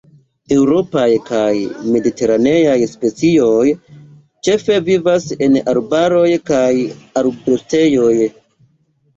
Eŭropaj kaj mediteraneaj specioj ĉefe vivas en arbaroj kaj arbustejoj.